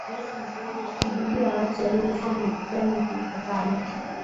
idadi ya watu waliyokufa kwenye titanic haifahamiki